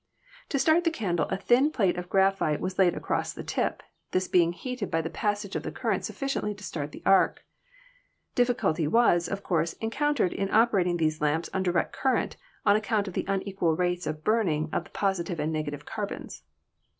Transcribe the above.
To start the candle a thin plate of graphite was laid across the tip, this being heated by the passage of the current sufficiently to start the arc. Difficulty was, of course, encountered in oper ating these lamps on direct current on account of the unequal rates of burning of the positive and negative carbons.